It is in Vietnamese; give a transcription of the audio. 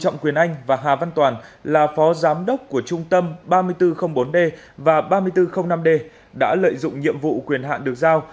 nguyễn anh và hà văn toàn là phó giám đốc của trung tâm ba nghìn bốn trăm linh bốn d và ba nghìn bốn trăm linh năm d đã lợi dụng nhiệm vụ quyền hạn được giao